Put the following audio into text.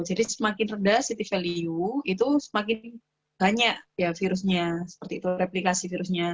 jadi semakin rendah city value itu semakin banyak ya virusnya seperti itu replikasi virusnya